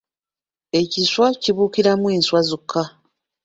Ekiswa kibuukiramu nswa zokka.